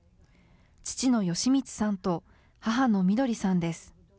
父の美光さんと、母のみどりさんです。